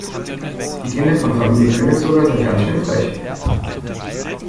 Die Kinder von Familie Königshofer sind ganz schön frech.